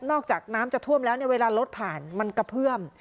จากน้ำจะท่วมแล้วเวลารถผ่านมันกระเพื่อม